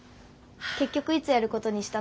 結局いつやることにしたの？